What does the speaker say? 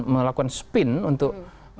melakukan spin untuk